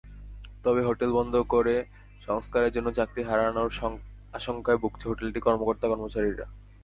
তবে হোটেল বন্ধ করে সংস্কারের জন্য চাকরি হারানোর আশঙ্কায় ভুগছে হোটেলটির কর্মকর্তা-কর্মচারীরা।